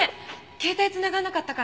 携帯繋がらなかったから。